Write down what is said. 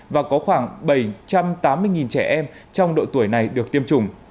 và có khoảng bảy trăm tám mươi trẻ em trong độ tuổi này được tiêm chủng